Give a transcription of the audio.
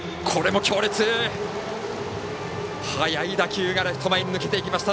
速い打球がレフト前に抜けていきました。